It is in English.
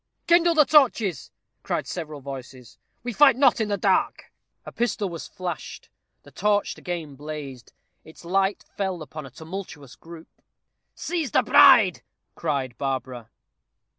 "Kindle the torches," cried several voices. "We fight not in the dark." A pistol was flashed. The torch again blazed. Its light fell upon a tumultuous group. "Seize the bride," cried Barbara.